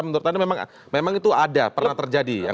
menurut anda memang itu ada pernah terjadi yang lain